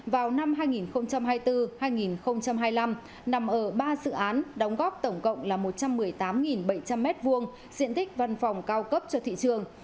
vào năm hai nghìn hai mươi bốn hai nghìn hai mươi năm nằm ở ba dự án đóng góp tổng cộng là một trăm một mươi tám bảy trăm linh m hai diện tích văn phòng cao cấp cho thị trường